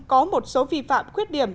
có một số vi phạm khuyết điểm